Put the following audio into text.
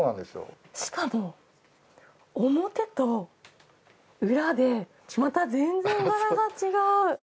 しかも表と裏でまた全然、柄が違う。